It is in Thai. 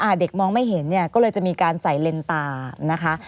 เด็กมองไม่เห็นเนี่ยก็เลยจะมีการใส่เลนตานะคะ